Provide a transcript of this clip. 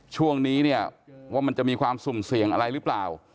ช่วงนี้เนี่ยว่ามันจะมีความสุ่มเสี่ยงอะไรหรือเปล่า